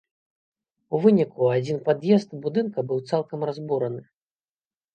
У выніку адзін пад'езд будынка быў цалкам разбураны.